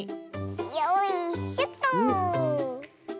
よいしょっと。